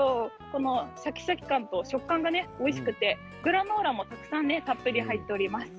シャキシャキ感と食感がおいしくてグラノーラもたくさんたっぷり入っております。